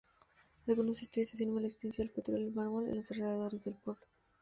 Algunos estudios afirman la existencia de petróleo y mármol en los alrededores del pueblo.